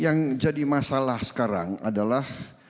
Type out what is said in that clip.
yang jadi masalah sekarang adalah